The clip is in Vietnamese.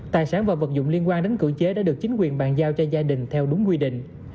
tài sản và vật dụng liên quan đến cưỡng chế đã được chính quyền bàn giao cho gia đình theo đúng quy định